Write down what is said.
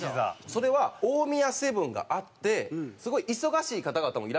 それは大宮セブンがあってすごい忙しい方々もいらっしゃるじゃないですか。